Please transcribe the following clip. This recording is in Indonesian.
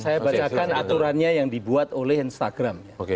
saya bacakan aturannya yang dibuat oleh instagram